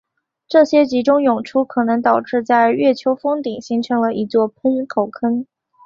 这种集中涌出可能导致在月丘峰顶形成了一座喷口坑。